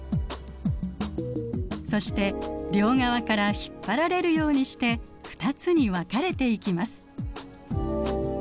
そして両側から引っ張られるようにして２つに分かれていきます。